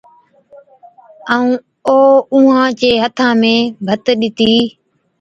ائُون او اُونھان چي ھٿان ۾ ڀَتَ ڏِتِي